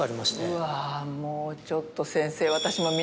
うわもうちょっと先生。